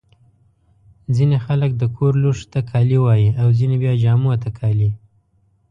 ځيني خلک د کور لوښو ته کالي وايي. او ځيني بیا جامو ته کالي.